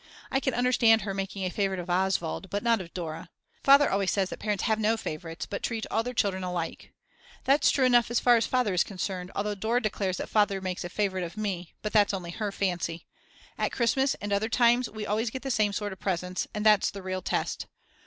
I can understand her making a favourite of Oswald, but not of Dora. Father always says that parents have no favourites, but treat all their children alike. That's true enough as far as Father is concerned, although Dora declares that Father makes a favourite of me; but that's only her fancy. At Christmas and other times we always get the same sort of presents, and that's the real test.